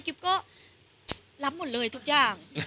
ก็รับหมดเลยทุกอย่าง